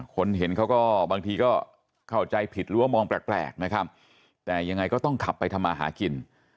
คนเห็นเขาก็บางทีเข้าใจผิดลวมองแปลกแต่ยังไงก็ต้องขับไปทำมาหากิน